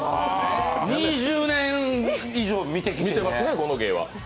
２０年以上見てきてるので。